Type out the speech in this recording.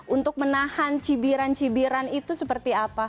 untuk menahan cibiran cibiran itu seperti apa